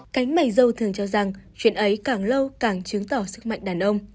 cảnh bày dâu thường cho rằng chuyện ấy càng lâu càng chứng tỏ sức mạnh đàn ông